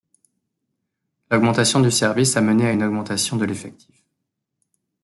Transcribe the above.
L'augmentation du service a mené à une augmentation de l'effectif.